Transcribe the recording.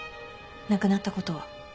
亡くなったことは？